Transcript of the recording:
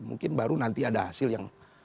mungkin baru nanti ada hasil yang